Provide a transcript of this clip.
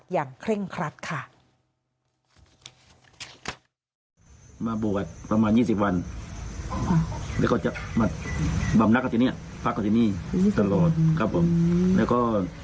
มาบำนักกับที่นี่พักกับที่นี่ตลอดครับผมแล้วก็